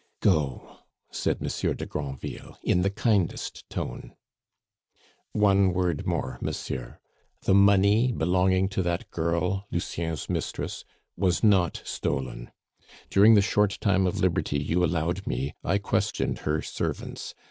"Go," said Monsieur de Granville, in the kindest tone. "One word more, monsieur. The money belonging to that girl Lucien's mistress was not stolen. During the short time of liberty you allowed me, I questioned her servants.